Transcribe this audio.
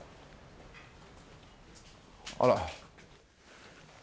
あら。